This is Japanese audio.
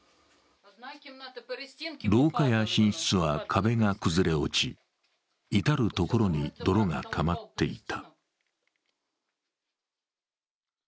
廊下や寝室は壁が崩れ落ち、至る所に泥がたまっていた。